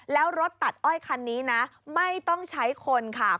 แล้วรถตัดอ้อยคันนี้นะไม่ต้องใช้คนค่ะ